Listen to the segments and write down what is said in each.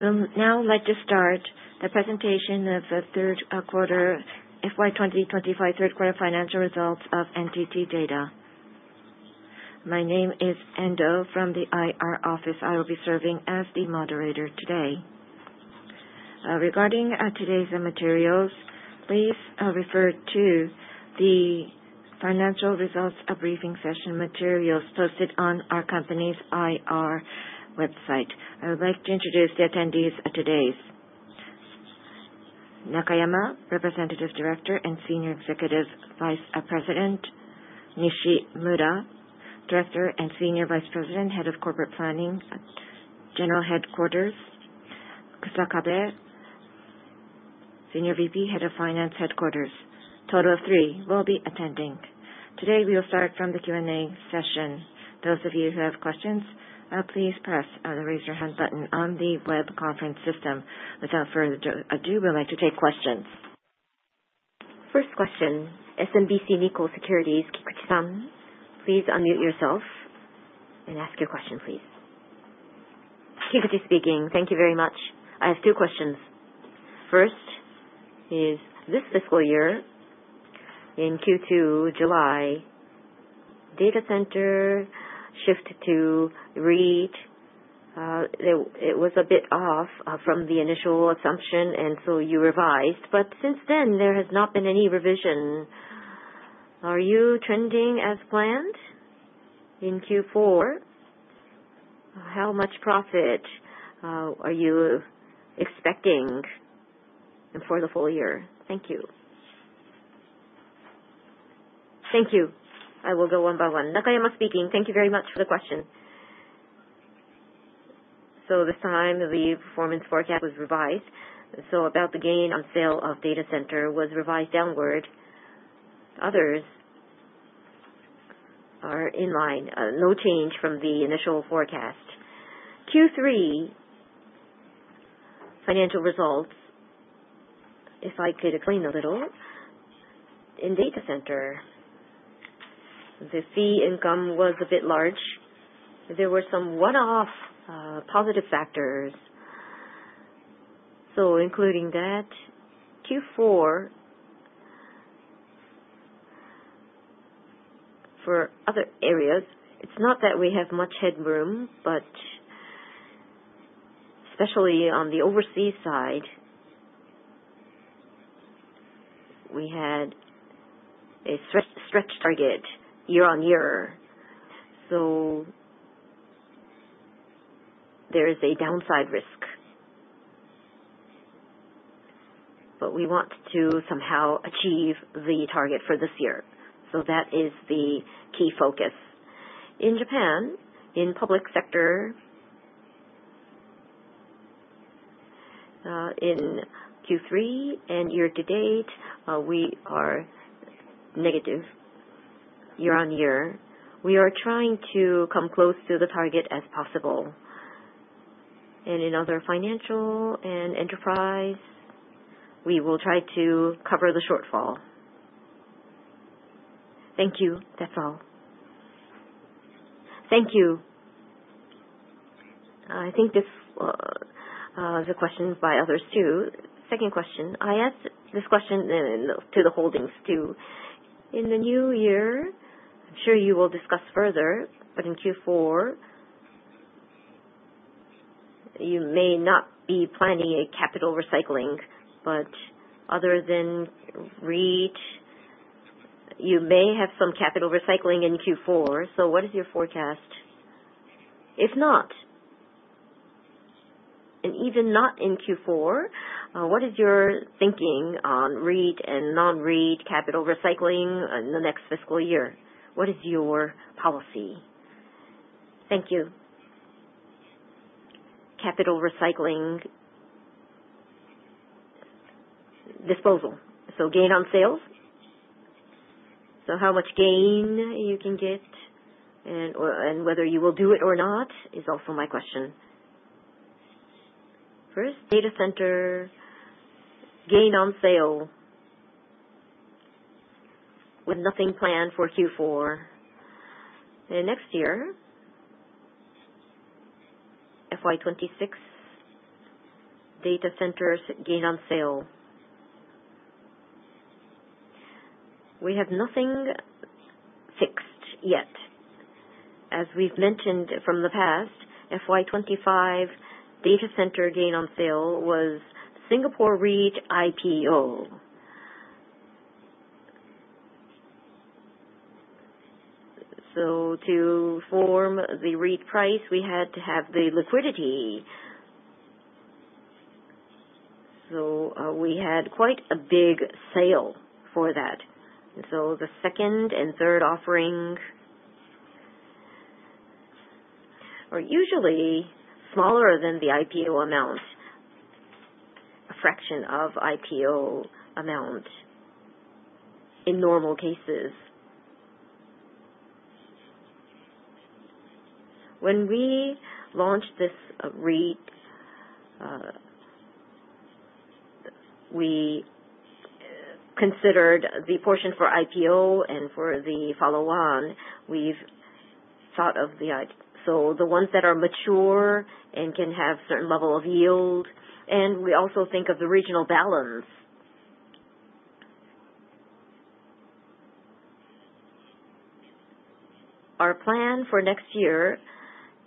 So now I'd like to start the presentation of the third quarter, FY 2025 third quarter financial results of NTT DATA. My name is Endo from the IR office. I will be serving as the moderator today. Regarding today's materials, please refer to the financial results briefing session materials posted on our company's IR website. I would like to introduce the attendees of today's. Nakayama, Representative Director and Senior Executive Vice President. Nishimura, Director and Senior Vice President, Head of Corporate Planning, General Headquarters. Kusakabe, Senior VP, Head of Finance Headquarters. Total of three will be attending. Today, we will start from the Q&A session. Those of you who have questions, please press the Raise Your Hand button on the web conference system. Without further ado, I'd like to take questions. First question, SMBC Nikko Securities, Kikuchi-san, please unmute yourself and ask your question, please. Kikuchi speaking. Thank you very much. I have two questions. First, is this fiscal year in Q2, July, data center shifted to REIT? It was a bit off from the initial assumption, and so you revised, but since then, there has not been any revision. Are you trending as planned in Q4? How much profit are you expecting for the full year? Thank you. Thank you. I will go one by one. Nakayama speaking. Thank you very much for the question. So this time, the performance forecast was revised, so about the gain on sale of data center was revised downward. Others are in line, no change from the initial forecast. Q3 financial results, if I could explain a little, in data center, the fee income was a bit large. There were some one-off, positive factors. So including that, Q4 for other areas, it's not that we have much headroom, but especially on the overseas side, we had a stretch, stretch target year-on-year, so there is a downside risk. But we want to somehow achieve the target for this year, so that is the key focus. In Japan, in public sector, in Q3 and year-to-date, we are negative year-on-year. We are trying to come close to the target as possible. In other Financial and Enterprise, we will try to cover the shortfall. Thank you. That's all. Thank you. I think this, the questions by others, too. Second question, I ask this question then to the holdings, too. In the new year, I'm sure you will discuss further, but in Q4, you may not be planning a capital recycling, but other than REIT, you may have some capital recycling in Q4. So what is your forecast? If not, and even not in Q4, what is your thinking on REIT and non-REIT capital recycling in the next fiscal year? What is your policy? Thank you. Capital recycling. Disposal, so gain on sales? So how much gain you can get and or, and whether you will do it or not is also my question. First, data center gain on sale, with nothing planned for Q4. Next year, FY 2026 data centers gain on sale. We have nothing fixed yet. As we've mentioned from the past, FY 2025 data center gain on sale was Singapore REIT IPO. So to form the REIT price, we had to have the liquidity. So, we had quite a big sale for that. So the second and third offering are usually smaller than the IPO amount, a fraction of IPO amount in normal cases. When we launched this, REIT,... we considered the portion for IPO and for the follow-on, we've thought of the -- So the ones that are mature and can have certain level of yield, and we also think of the regional balance. Our plan for next year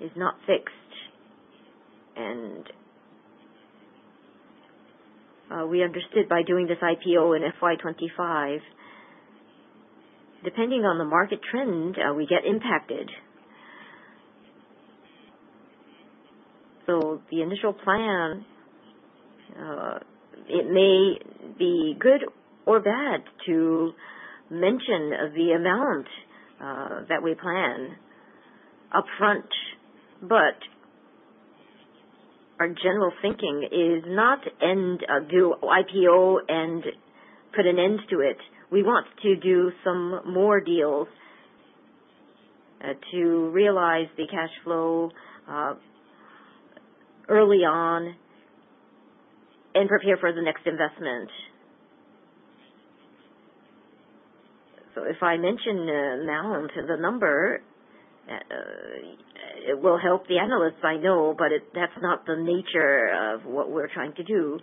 is not fixed, and we understood by doing this IPO in FY 2025, depending on the market trend, we get impacted. So the initial plan, it may be good or bad to mention the amount that we plan upfront, but our general thinking is not end do IPO and put an end to it. We want to do some more deals to realize the cash flow early on and prepare for the next investment. So if I mention the amount, the number, it will help the analysts, I know, but that's not the nature of what we're trying to do.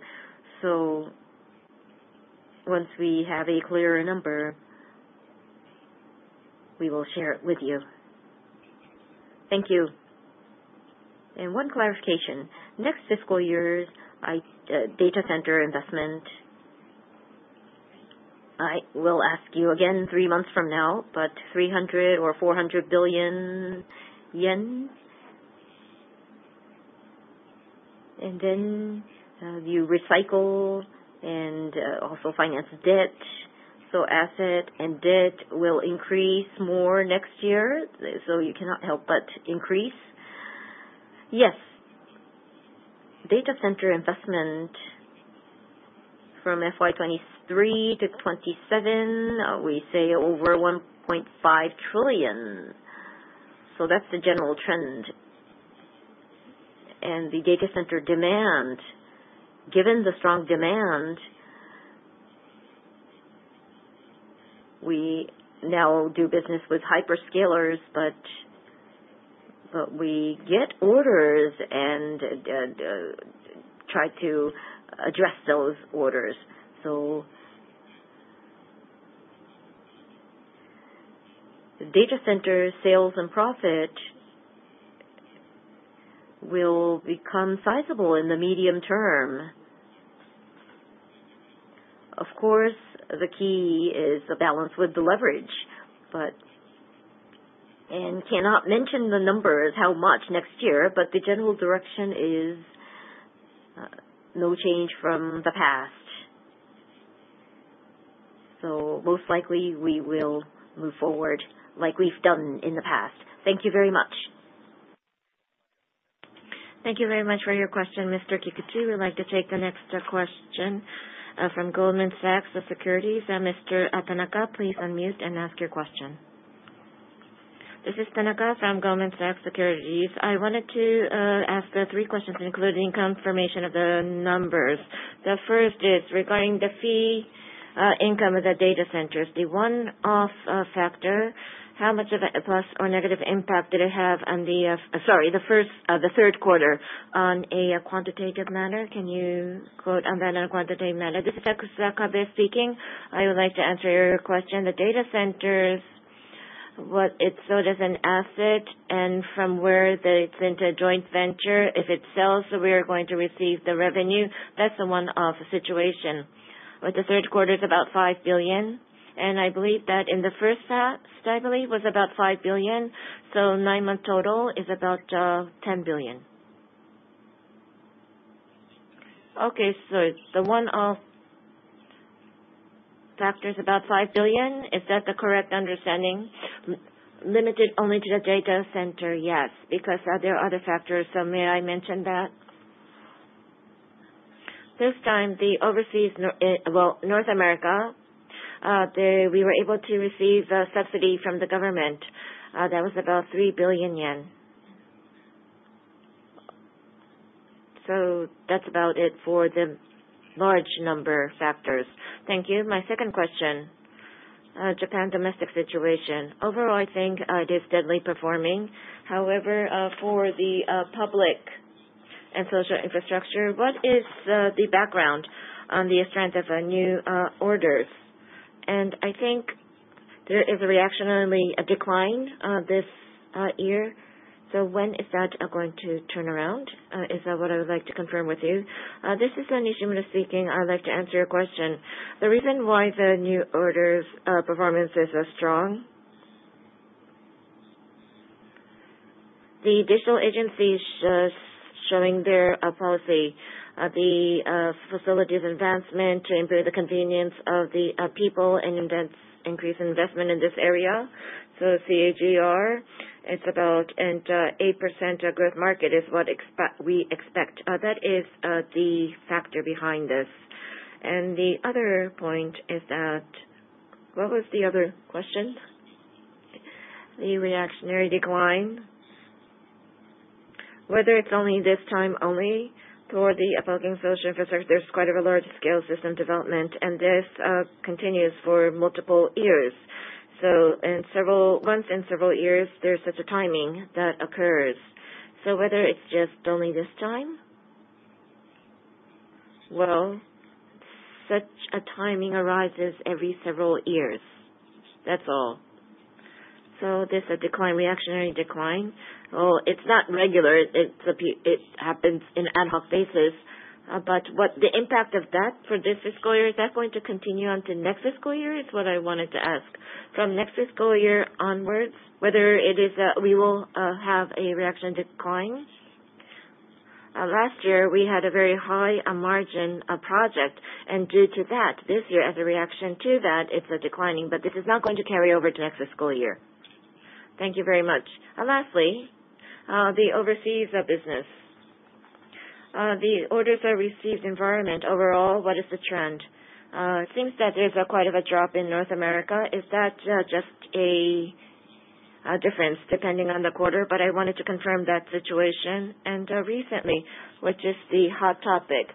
So once we have a clearer number, we will share it with you. Thank you. One clarification. Next fiscal year's data center investment, I will ask you again three months from now, but 300 billion or 400 billion yen? And then, you recycle and also finance debt, so asset and debt will increase more next year, so you cannot help but increase. Yes. Data center investment from FY 2023- FY 2027, we say over 1.5 trillion. That's the general trend. The data center demand, given the strong demand, we now do business with hyperscalers, but we get orders and try to address those orders. So data center sales and profit will become sizable in the medium term. Of course, the key is a balance with the leverage, but... Cannot mention the numbers, how much next year, but the general direction is no change from the past. Most likely, we will move forward like we've done in the past. Thank you very much. Thank you very much for your question, Mr. Kikuchi. We'd like to take the next question from Goldman Sachs Securities. Mr. Tanaka, please unmute and ask your question. This is Tanaka from Goldman Sachs Securities. I wanted to ask three questions, including confirmation of the numbers. The first is regarding the fee income of the data centers. The one-off factor, how much of a plus or negative impact did it have on the, sorry, the third quarter on a quantitative manner? Can you quote on the quantitative manner? This is Kusakabe speaking. I would like to answer your question. The data centers, what it's sold as an asset, and from where it's in a joint venture, if it sells, so we are going to receive the revenue. That's a one-off situation. With the third quarter, it's about 5 billion, and I believe that in the first half, I believe, was about 5 billion, so nine-month total is about 10 billion. Okay. So the one-off factor is about 5 billion. Is that the correct understanding? Limited only to the data center, yes, because there are other factors, so may I mention that? This time, the overseas, well, North America, we were able to receive a subsidy from the government, that was about 3 billion yen. So that's about it for the large number factors. Thank you. My second question, Japan domestic situation. Overall, I think it is steadily performing. However, for the Public & Social Infrastructure, what is the background on the strength of new orders? And I think there is a reactionary decline this year. So when is that going to turn around? Is that what I would like to confirm with you. This is Nishimura speaking. I would like to answer your question. The reason why the new orders performance is strong, the Digital Agency showing their policy, the facilities advancement to improve the convenience of the people and increase investment in this area. So CAGR, it's about 8% growth market is what we expect. That is the factor behind this. And the other point is that... What was the other question? The reactionary decline. Whether it's only this time only for the public social infrastructure, there's quite a large scale system development, and this continues for multiple years. So in several months, in several years, there's such a timing that occurs. So whether it's just only this time? Well, such a timing arises every several years. That's all. So there's a decline, reactionary decline. Well, it's not regular. It happens in ad hoc basis. But what the impact of that for this fiscal year, is that going to continue on to next fiscal year, is what I wanted to ask. From next fiscal year onwards, whether it is, we will have a reaction decline. Last year, we had a very high margin project, and due to that, this year, as a reaction to that, it's declining, but this is not going to carry over to next fiscal year. Thank you very much. And lastly, the overseas business. The orders are received environment. Overall, what is the trend? It seems that there's quite a drop in North America. Is that just a difference depending on the quarter? But I wanted to confirm that situation and recently, which is the hot topic.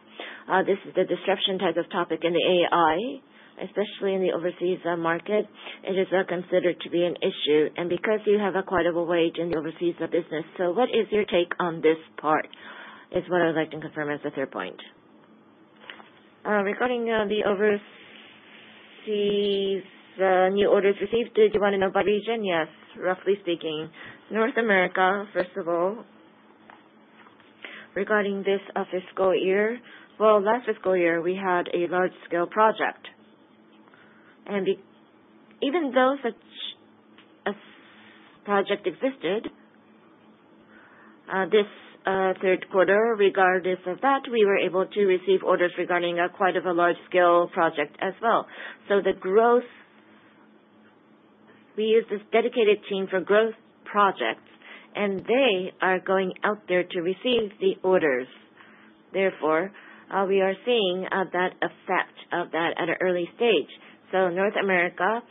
This is the disruption type of topic in the AI, especially in the overseas market. It is considered to be an issue, and because you have quite a weight in the overseas business. So what is your take on this part, is what I'd like to confirm as the third point. Regarding the overseas, the new orders received, did you want to know by region? Yes. Roughly speaking, North America, first of all, regarding this fiscal year. Well, last fiscal year, we had a large scale project. And even though such a project existed, this third quarter, regardless of that, we were able to receive orders regarding quite of a large scale project as well. So the growth, we use this dedicated team for growth projects, and they are going out there to receive the orders. Therefore, we are seeing that effect of that at an early stage. So North America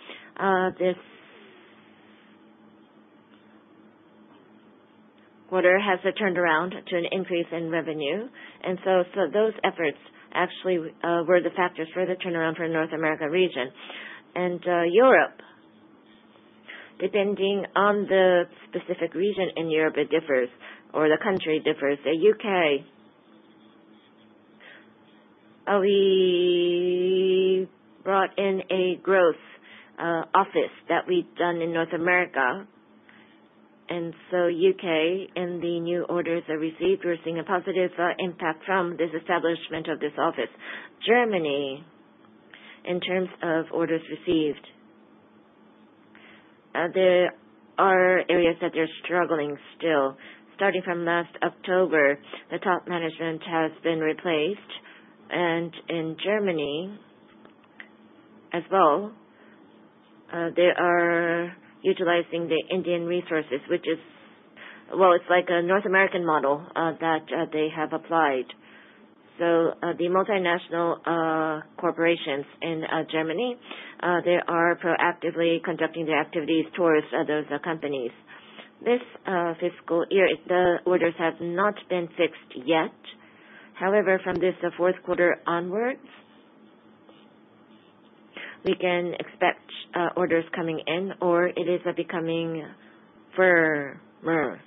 this quarter has turned around to an increase in revenue, and so those efforts actually were the factors for the turnaround for North America region. And Europe, depending on the specific region in Europe, it differs or the country differs. The U.K., we brought in a growth office that we've done in North America, and so U.K., and the new orders are received. We're seeing a positive impact from this establishment of this office. Germany, in terms of orders received, there are areas that they're struggling still. Starting from last October, the top management has been replaced, and in Germany as well, they are utilizing the Indian resources, which is, well, it's like a North American model that they have applied. So, the multinational corporations in Germany, they are proactively conducting their activities towards those companies. This fiscal year, the orders have not been fixed yet. However, from this fourth quarter onwards, we can expect orders coming in, or it is becoming firmer.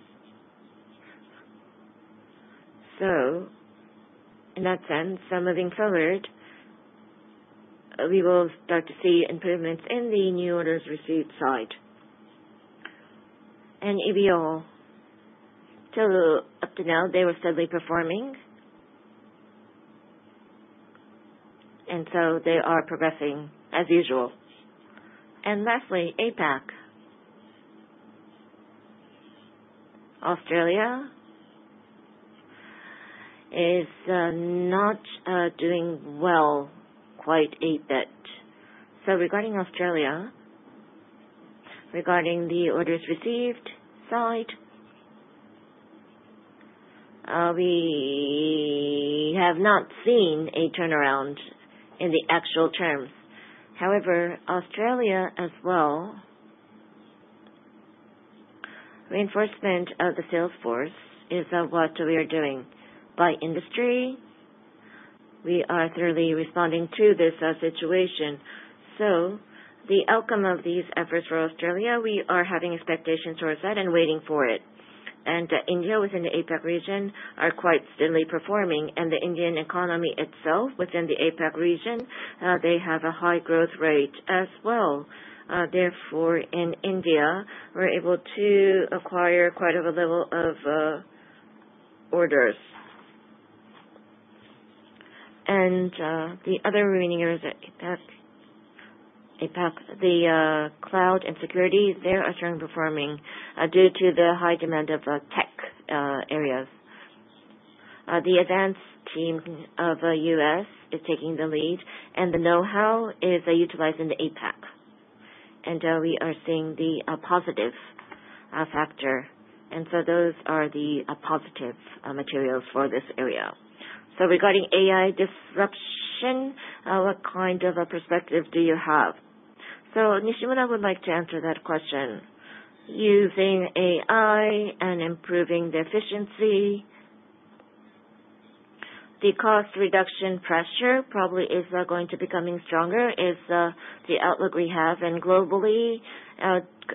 So in that sense, moving forward, we will start to see improvements in the new orders received side. And EMEAL, till up to now, they were steadily performing. And so they are progressing as usual. And lastly, APAC. Australia is not doing well quite a bit. So regarding Australia, regarding the orders received side, we have not seen a turnaround in the actual terms. However, Australia as well, reinforcement of the sales force is what we are doing. By industry, we are thoroughly responding to this situation. So the outcome of these efforts for Australia, we are having expectations towards that and waiting for it. And India, within the APAC region, are quite steadily performing, and the Indian economy itself, within the APAC region, they have a high growth rate as well. Therefore, in India, we're able to acquire quite of a level of orders. And the other areas that APAC, the cloud and security, they are strong performing due to the high demand of tech areas. The advance team of U.S. is taking the lead, and the know-how is utilized in the APAC, and we are seeing the positive factor. And so those are the positive materials for this area. So regarding AI disruption, what kind of a perspective do you have? So Nishimura would like to answer that question. Using AI and improving the efficiency, the cost reduction pressure probably is going to becoming stronger, is the outlook we have. And globally,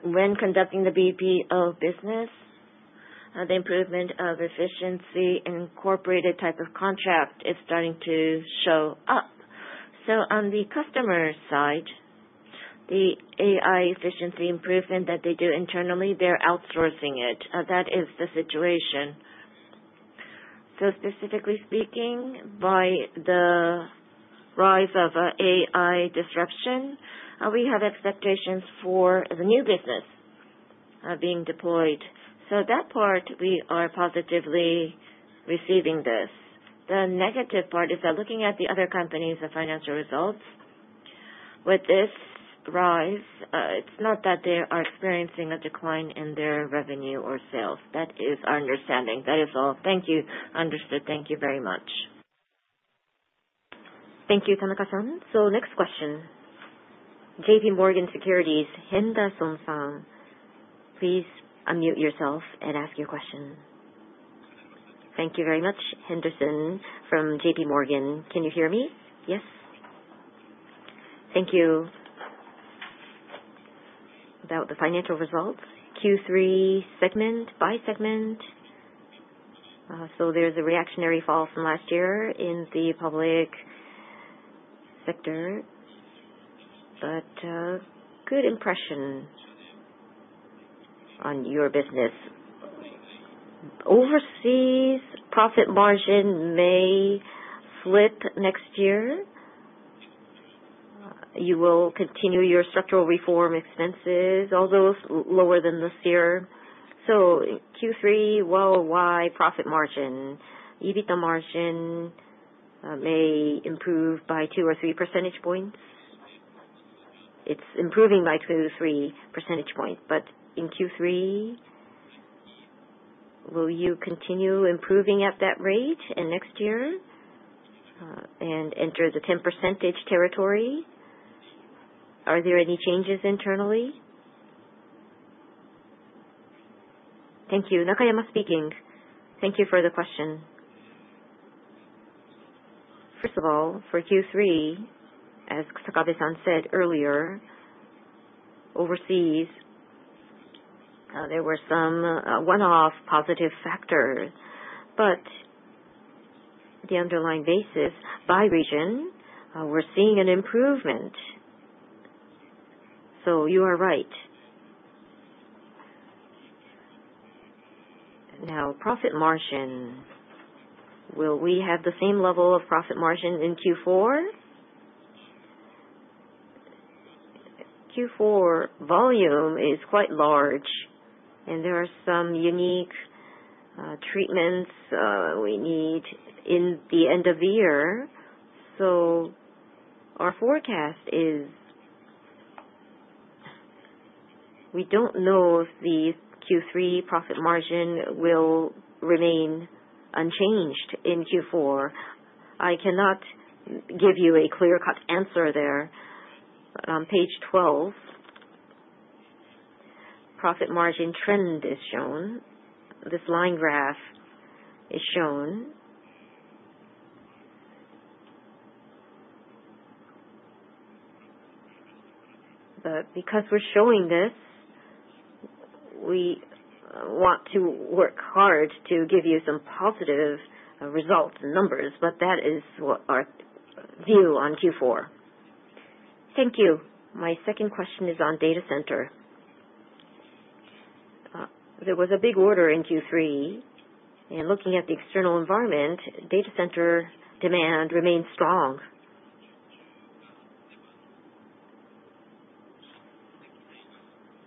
when conducting the BPO business, the improvement of efficiency and incorporated type of contract is starting to show up. So on the customer side, the AI efficiency improvement that they do internally, they're outsourcing it. That is the situation. So specifically speaking, by the rise of AI disruption, we have expectations for the new business being deployed. So that part we are positively receiving this. The negative part is that looking at the other companies, the financial results with this rise, it's not that they are experiencing a decline in their revenue or sales. That is our understanding. That is all. Thank you. Understood. Thank you very much. Thank you, Tanaka-san. So next question, JP Morgan Securities, Henderson-san, please unmute yourself and ask your question. Thank you very much. Henderson from JPMorgan. Can you hear me? Yes. Thank you. About the financial results, Q3 segment, by segment. So there's a reactionary fall from last year in the public sector, but good impression on your business. Overseas profit margin may flip next year. You will continue your structural reform expenses, although lower than this year. So in Q3, worldwide profit margin, EBITDA margin, may improve by two or three percentage points. It's improving by two to three percentage points, but in Q3, will you continue improving at that rate in next year, and enter the 10% territory? Are there any changes internally? Thank you. Nakayama speaking. Thank you for the question. First of all, for Q3, as Kusakabe-san said earlier, overseas, there were some one-off positive factors, but the underlying basis by region, we're seeing an improvement. So you are right. Now, profit margin, will we have the same level of profit margin in Q4? Q4 volume is quite large, and there are some unique treatments we need in the end of year. So our forecast is, we don't know if the Q3 profit margin will remain unchanged in Q4. I cannot give you a clear-cut answer there. On page 12, profit margin trend is shown. This line graph is shown. But because we're showing this, we want to work hard to give you some positive results and numbers, but that is what our view on Q4. Thank you. My second question is on data center. There was a big order in Q3, and looking at the external environment, data center demand remains strong.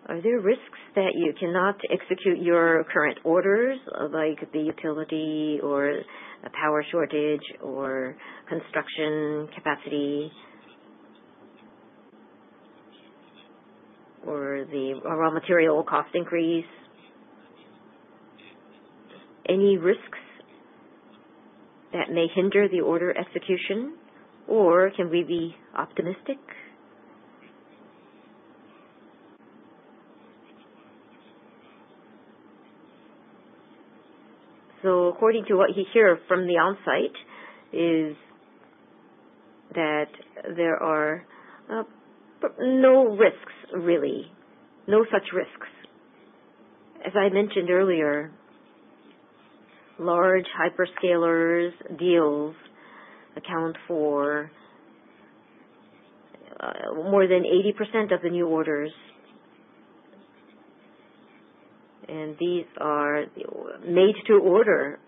Are there risks that you cannot execute your current orders, like the utility or a power shortage or construction capacity? Or raw material cost increase? Any risks that may hinder the order execution, or can we be optimistic? So according to what we hear from the on-site, is that there are no risks really, no such risks. As I mentioned earlier, large hyperscalers deals account for more than 80% of the new orders. And these are made to order.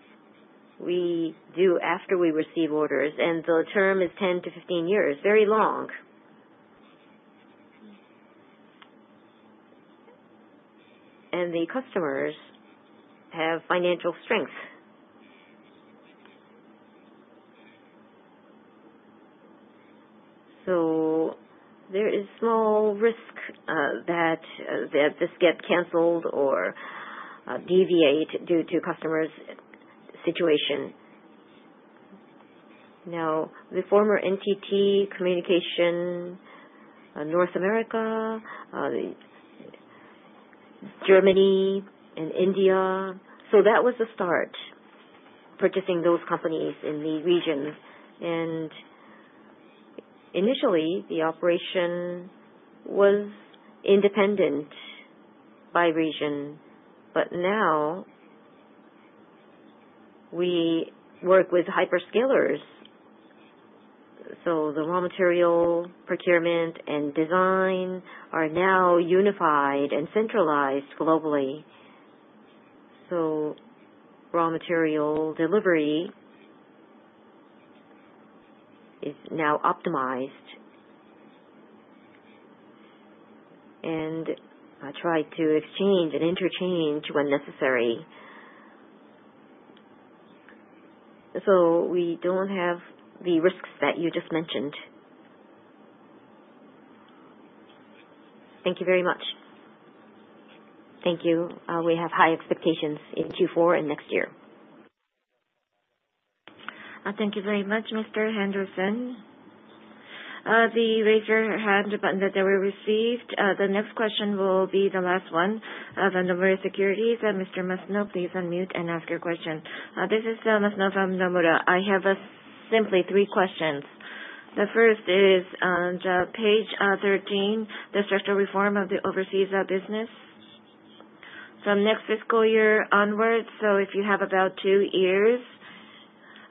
We do after we receive orders, and the term is 10-15 years, very long. And the customers have financial strength. So there is small risk that this get canceled or deviate due to customers' situation. Now, the former NTT Communications, North America, Germany and India. So that was the start, purchasing those companies in the region. And initially, the operation was independent by region, but now we work with hyperscalers. So the raw material procurement and design are now unified and centralized globally. So raw material delivery is now optimized. I try to exchange and interchange when necessary. So we don't have the risks that you just mentioned. Thank you very much. Thank you. We have high expectations in Q4 and next year. Thank you very much, Mr. Henderson. The raise your hand button that they were received, the next question will be the last one, the Nomura Securities, and Mr. Masuno, please unmute and ask your question. This is Masuno from Nomura. I have simply three questions. The first is, on page 13, the structural reform of the overseas business. So next fiscal year onwards, so if you have about two years,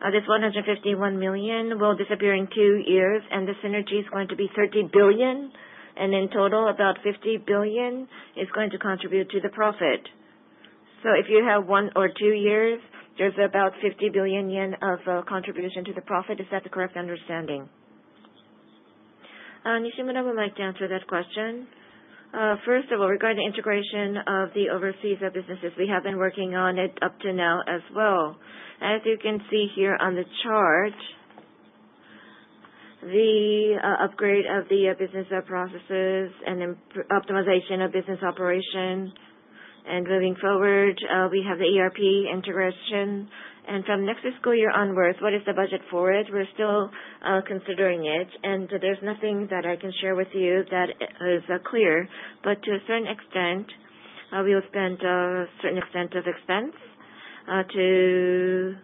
this 151 million will disappear in two years, and the synergy is going to be 30 billion, and in total, about 50 billion is going to contribute to the profit. So if you have one or two years, there's about 50 billion yen of contribution to the profit. Is that the correct understanding? Nishimura would like to answer that question. First of all, regarding the integration of the overseas businesses, we have been working on it up to now as well. As you can see here on the chart, the upgrade of the business processes and optimization of business operations. And moving forward, we have the ERP integration. And from next fiscal year onwards, what is the budget for it? We're still considering it, and there's nothing that I can share with you that is clear. But to a certain extent, we will spend a certain extent of expense to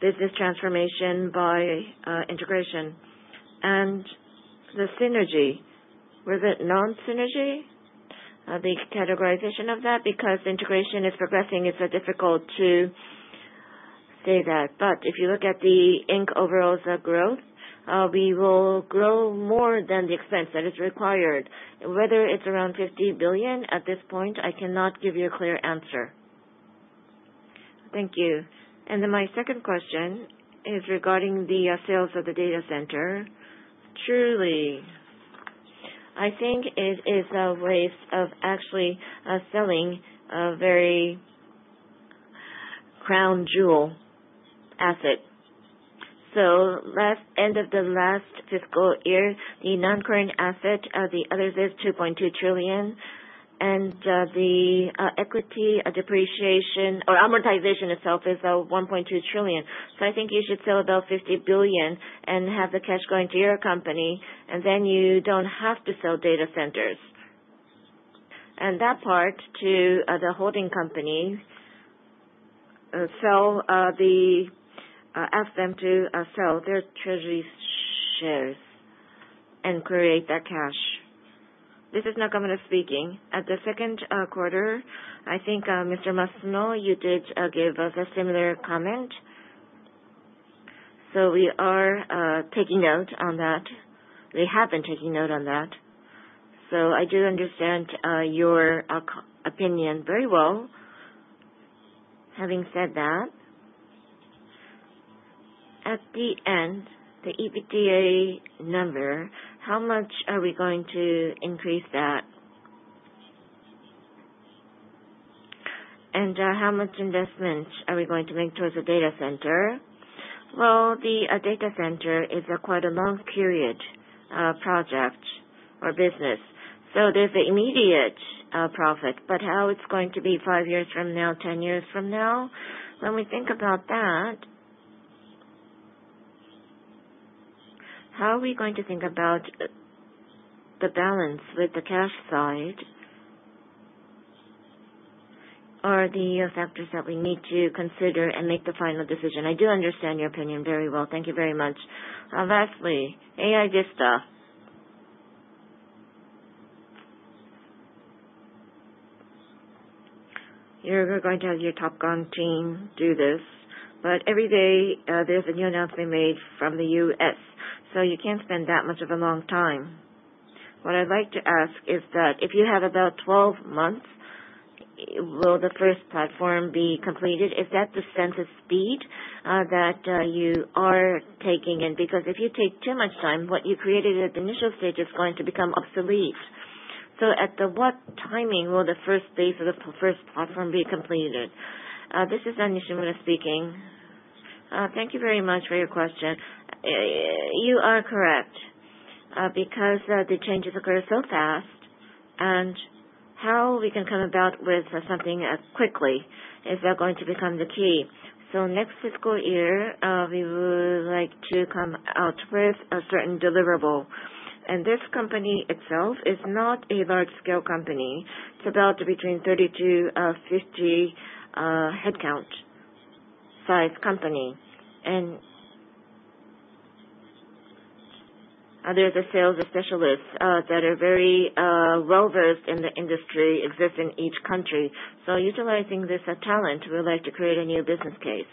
business transformation by integration. And the synergy, was it non-synergy? The categorization of that, because integration is progressing, it's difficult to say that. But if you look at the income overall growth, we will grow more than the expense that is required. Whether it's around 50 billion, at this point, I cannot give you a clear answer. Thank you. And then my second question is regarding the sales of the data center. Truly, I think it is a waste of actually selling a very crown jewel asset. So, at the end of the last fiscal year, the non-current asset, the other is 2.2 trillion, and the equity depreciation or amortization itself is 1.2 trillion. So I think you should sell about 50 billion and have the cash going to your company, and then you don't have to sell data centers. That part too, to the holding company, ask them to sell their treasury shares and create that cash. This is Nakayama speaking. At the second quarter, I think, Mr. Masuno, you did give us a similar comment. So we are taking note on that. We have been taking note on that. So I do understand your opinion very well. Having said that, at the end, the EBITDA number, how much are we going to increase that? And how much investment are we going to make towards the data center? Well, the data center is quite a long period project or business. So there's the immediate, profit, but how it's going to be five years from now, 10 years from now, when we think about that, how are we going to think about the, the balance with the cash side? Are the, factors that we need to consider and make the final decision. I do understand your opinion very well. Thank you very much. Lastly, AI Vista. You're going to have your Top Gun team do this, but every day, there's a new announcement made from the U.S., so you can't spend that much of a long time. What I'd like to ask is that if you have about 12 months, will the first platform be completed? Is that the sense of speed, that, you are taking in? Because if you take too much time, what you created at the initial stage is going to become obsolete. So at what timing will the first phase of the first platform be completed? This is Nishimura speaking. Thank you very much for your question. You are correct, because the changes occur so fast, and how we can come about with something as quickly is going to become the key. So next fiscal year, we would like to come out with a certain deliverable. And this company itself is not a large-scale company. It's about between 30-50 headcount size company. And there's a sales specialists that are very well-versed in the industry, exist in each country. So utilizing this talent, we would like to create a new business case.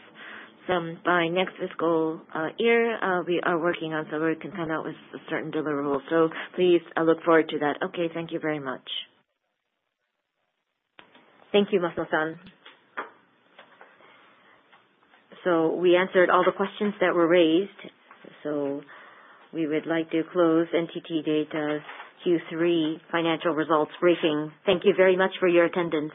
So by next fiscal year, we are working on so we can come out with a certain deliverable. So please, I look forward to that. Okay. Thank you very much. Thank you, Masuno-san. So we answered all the questions that were raised, so we would like to close NTT DATA's Q3 financial results briefing. Thank you very much for your attendance.